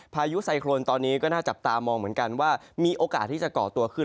พายุไซโครนตอนนี้ก็น่าจับตามองเหมือนกันว่ามีโอกาสที่จะก่อตัวขึ้น